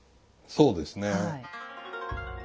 そうですね。